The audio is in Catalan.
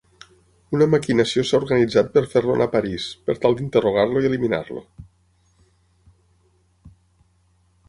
Una maquinació s'ha organitzat per fer-lo anar a París, per tal d'interrogar-lo i eliminar-lo.